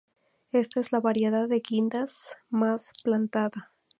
Esta es la variedad de guindas más plantada.